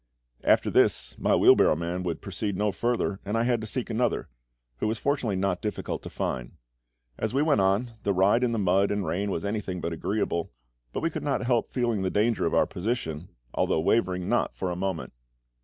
After this my wheel barrow man would proceed no farther, and I had to seek another, who was fortunately not difficult to find. As we went on, the ride in the mud and rain was anything but agreeable, and we could not help feeling the danger of our position, although wavering not for a moment.